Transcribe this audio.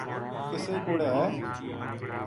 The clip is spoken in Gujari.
کِسے کُوڑے ہے